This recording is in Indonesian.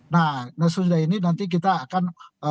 nah sesudah ini nanti kita akan